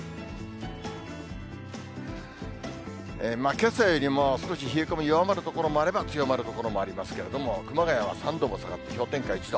けさよりも少し冷え込み弱まる所もあれば、強まる所もありますけれども、熊谷は３度も下がって氷点下１度。